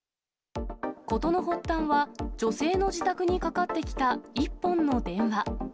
ことの発端は女性の自宅にかかってきた一本の電話。